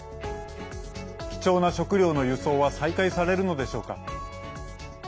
貴重な食料の輸送は再開されるのでしょうか。